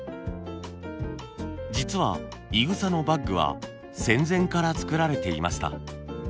実はいぐさのバッグは戦前から作られていました。